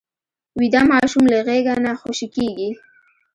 ویده ماشوم له غېږه نه خوشې کېږي